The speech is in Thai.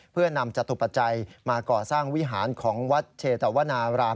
เพื่อนำจตุปัจจัยมาก่อสร้างวิหารของวัดเชตวนาราม